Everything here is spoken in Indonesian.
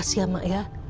begas ya ma ya